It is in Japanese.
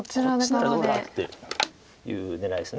こっちならどうだっていう狙いです。